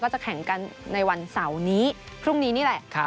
จะแข่งกันในวันเสาร์นี้พรุ่งนี้นี่แหละ